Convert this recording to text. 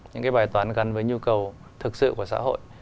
những cái bài toán gắn với nhu cầu thực sự của xã hội